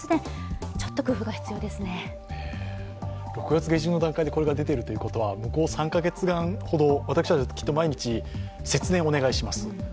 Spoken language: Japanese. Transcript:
６月下旬の段階でこれが出ているということは向こう３カ月間ほど、私たちはきっと毎日、節電をお願いします